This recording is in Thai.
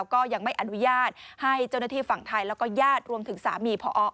กตเดิม